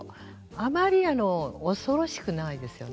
あまり恐ろしくないですよね。